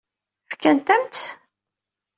Fkant-am-tt?